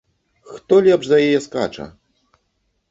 Хто лепш за яе скача!